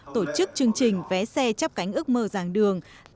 tổ chức chương trình vé xe chắp cánh ước mơ ràng đường